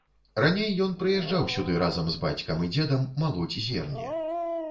Раней ён прыязджаў сюды разам з бацькам і дзедам малоць зерне.